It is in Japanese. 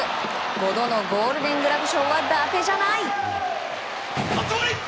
５度のゴールデン・グラブ賞はだてじゃない。